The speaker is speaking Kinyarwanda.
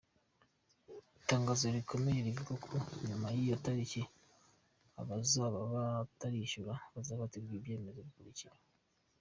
Itangazo rikomeza rivuga ko nyuma y’iyo tariki, abazaba batarishyura bazafatirwa ibyemezo bikurikira :.